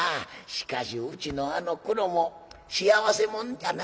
しかしうちのあのクロも幸せ者じゃな。